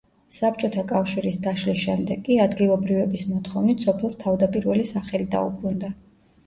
საბჭოთა კავშირის დაშლის შემდეგ კი, ადგილობრივების მოთხოვნით, სოფელს თავდაპირველი სახელი დაუბრუნდა.